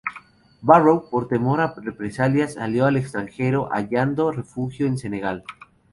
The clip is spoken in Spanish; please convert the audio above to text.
Barrow, por temor a represalias, salió al extranjero, hallando refugio en Senegal.